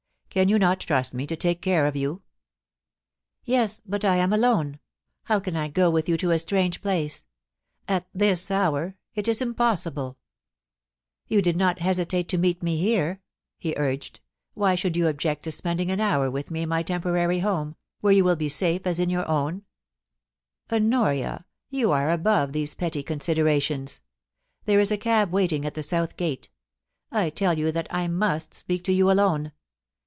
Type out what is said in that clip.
Can you not trust me to take care of you ?Yes, but I am alone. How can I go with you to a strange place ? at this hour — it is impossible !You did not hesitate to meet me here,' he lu^ed, * why should you object to spending an hour with me in my tem porary home, where you will be as safe as in your own ? IN PERIL. 347 Honoria, you are above these petty considerations. There is a cab waiting at the south gate. I tell you that I must speak to you alone.